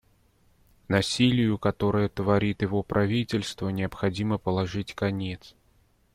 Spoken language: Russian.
Насилию, которое творит его правительство, необходимо положить конец.